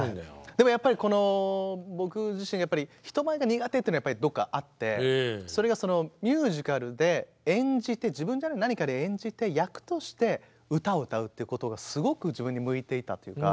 でもやっぱりこの僕自身が人前が苦手っていうのがどっかあってそれがそのミュージカルで演じて自分じゃない何かで演じて役として歌を歌うっていうことがすごく自分に向いていたっていうか。